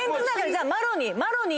じゃあマロニー。